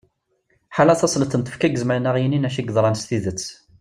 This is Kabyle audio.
ḥala tasleḍt n tfekka i izemren ad aɣ-yinin acu yeḍran s tidet